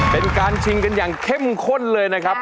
เป็นการชิงกันอย่างเข้มข้นเลยนะครับ